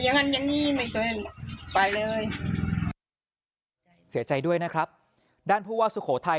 ด้านผู้ว่าสุโขทัยเดินทางไปให้กำลังใจ